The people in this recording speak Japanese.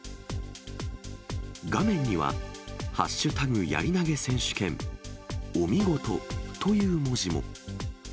画面には、＃やり投げ選手権、おみごとという文字も。